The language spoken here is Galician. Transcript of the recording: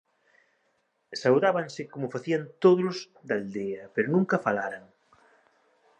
Saudábanse como facían tódolos da aldea, pero nunca falaran.